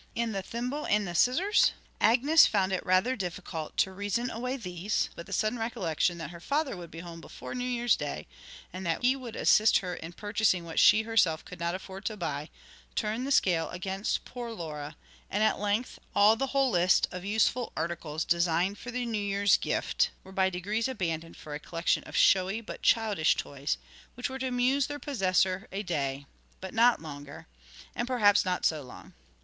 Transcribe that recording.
And the thimble, and the scissors? Agnes found it rather difficult to reason away these, but the sudden recollection that her father would be home before New Year's Day, and that he would assist her in purchasing what she herself could not afford to buy, turned the scale against poor Laura; and at length all the whole list of useful articles designed for the New Year's gift were by degrees abandoned for a collection of showy but childish toys, which were to amuse their possessor a day, but not longer, and perhaps not so long.